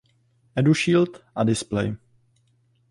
EduShield a displej